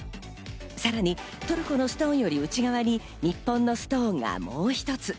さらにトルコのストーンより内側に日本のストーンがもう一つ。